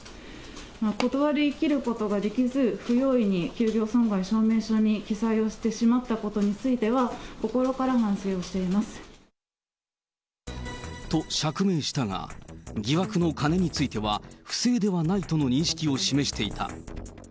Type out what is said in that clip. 断り切ることができず、不用意に休業損害証明書に記載をしてしまったことについては、心と、釈明したが、疑惑の金については、不正ではないとの認識を示していた。